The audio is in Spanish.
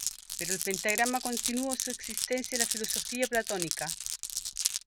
Pero el pentagrama continuó su existencia en la filosofía platónica.